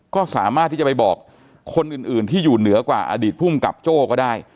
ก็สามารถที่จะไปบอกคนอื่นที่อยู่เหนือกว่าอดีตภูมิกับโจ้ก็ได้